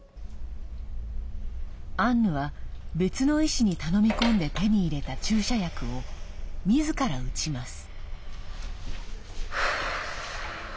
アンヌは、別の医師に頼み込んで手に入れた注射薬をみずから打ちます。